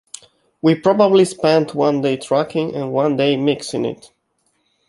We probably spent one day tracking and one day mixing it.